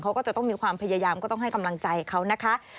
เขาก็จะต้องมีความพยายามก็ต้องให้กำลังใจเขานะคะ